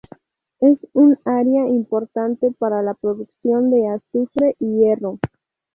Es un área importante para la producción de azufre y hierro.